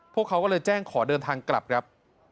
พวกเขาก็เลยแจ้งขอเดินทางกลับครับ